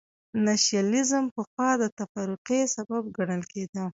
نېشنلېزم پخوا د تفرقې سبب ګڼل کېده.